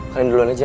kalian duluan aja